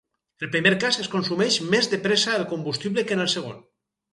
En el primer cas es consumeix més de pressa el combustible que en el segon.